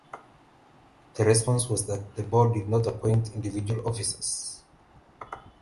The response was that the Board did not appoint individual officers.